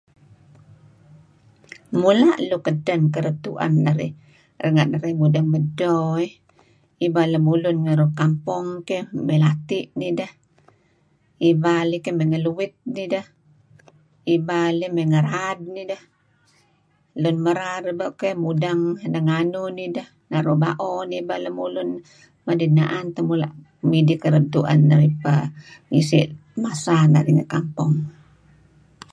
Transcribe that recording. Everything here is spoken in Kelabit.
Mula' luk edten kereb tu'en narih renga' narih mudeng medto eh. Lun ibal lem kampong keh mey lati' nideh, mey ngeluit nideh, ibal eh mey ngeraad nideh, lun merar eh keh mudeng neganuh nideh, naru' ba'o neh ibal lemulun , manid na'an teh nuk midih kereb tu'en narih peh ngisi' masa narih ngi lampong.